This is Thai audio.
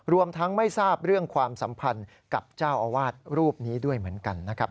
รวมทั้งไม่ทราบเรื่องความสัมพันธ์กับเจ้าอาวาสรูปนี้ด้วยเหมือนกันนะครับ